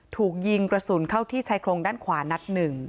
ถูกยิงกระสุนเข้าที่ชายโครงด้านขวานัด๑